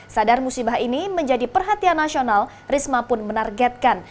sadar musibah ini menjadi perhatian nasional risma pun menargetkan